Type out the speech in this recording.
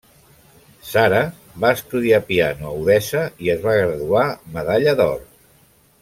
Zara va estudiar piano a Odessa i es va graduar amb medalla d'or.